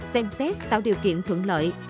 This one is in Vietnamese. xem xét tạo điều kiện thuận lợi